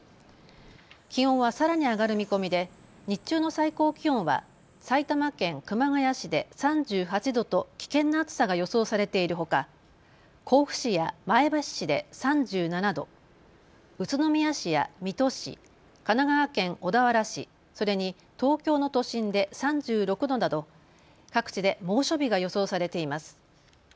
気温はさらに上がる見込みで日中の最高気温は埼玉県熊谷市で３８度と危険な暑さが予想されているほか甲府市や前橋市で３７度、宇都宮市や水戸市、神奈川県小田原市、それに東京の都心で３６度など各地で猛暑日が予想されています。